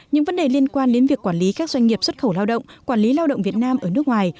những vấn đề liên quan đến việc quản lý các doanh nghiệp xuất khẩu lao động quản lý lao động việt nam ở nước ngoài